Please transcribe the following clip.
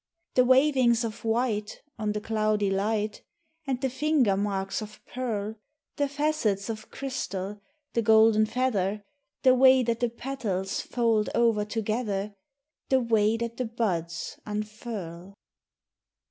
The wavings of white On the cloudy light, And the finger marks of pearl ; The facets of crystal, the golden feather, The way that the petals fold over together, The way that the buds unfurl